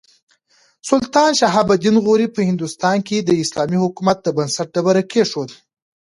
سلطان شهاب الدین غوري په هندوستان کې د اسلامي حکومت د بنسټ ډبره کېښوده.